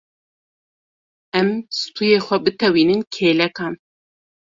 Em stûyê xwe bitewînin kêlekan.